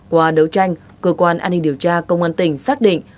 qua đấu tranh cơ quan an ninh điều tra công an tỉnh xác định